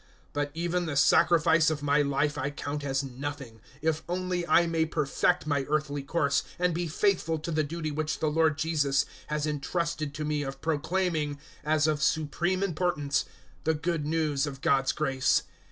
020:024 But even the sacrifice of my life I count as nothing, if only I may perfect my earthly course, and be faithful to the duty which the Lord Jesus has entrusted to me of proclaiming, as of supreme importance, the Good News of God's grace.